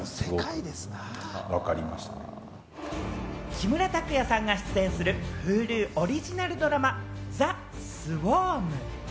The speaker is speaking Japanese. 木村拓哉さんが出演するＨｕｌｕオリジナルドラマ『ＴＨＥＳＷＡＲＭ／ザ・スウォーム』。